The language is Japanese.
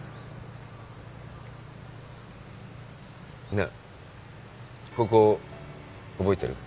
ねえここ覚えてる？